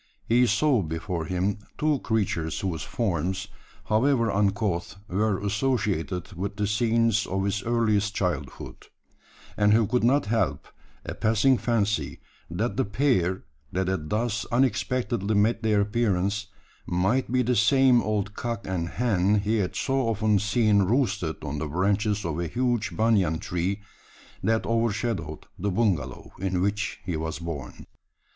He saw before him two creatures whose forms, however uncouth, were associated with the scenes of his earliest childhood; and he could not help a passing fancy, that the pair, that had thus unexpectedly made their appearance, might be the same old cock and hen he had so often seen roosted on the branches of a huge banyan tree, that overshadowed the bungalow in which he was born.